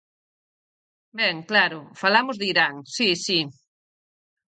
Ben, claro, falamos de Irán, si, si.